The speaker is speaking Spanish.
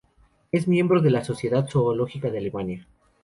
Es miembro de la Sociedad Zoológica de Alemania.